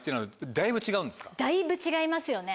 だいぶ違いますよね。